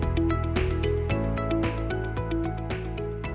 harus atas landasan saling percaya dari dia satu sama lain